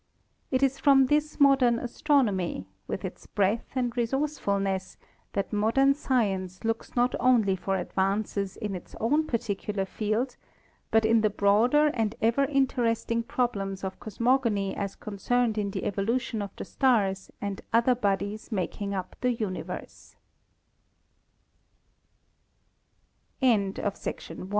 It is from this modern astronomy, with its breadth and resourcefulness, that modern science looks not only for advances in its own particular field, but in the broader and ever interesting problems of cosmogony as concerned in the evolution of the stars and other